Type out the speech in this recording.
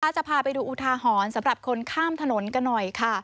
จะพาไปดูอุทาหรณ์สำหรับคนข้ามถนนกันหน่อยค่ะ